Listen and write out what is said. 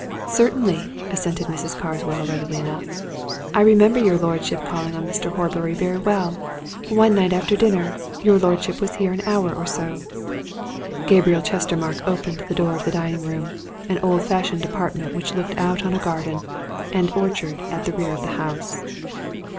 "Certainly!" assented Mrs. Carswell, readily enough. "I remember your lordship calling on Mr. Horbury very well. One night after dinner your lordship was here an hour or so." Gabriel Chestermarke opened the door of the dining room an old fashioned apartment which looked out on a garden and orchard at the rear of the house.